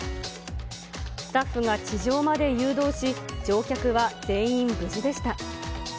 スタッフが地上まで誘導し、乗客は全員無事でした。